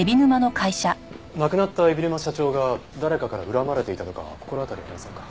亡くなった海老沼社長が誰かから恨まれていたとか心当たりありませんか？